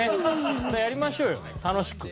やりましょうよ楽しく。